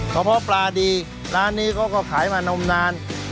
เพาะปลาดีร้านนี้เขาก็ขายมานมนาน